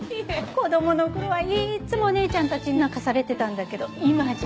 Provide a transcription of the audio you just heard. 子供の頃はいつもお姉ちゃんたちに泣かされてたんだけど今じゃ。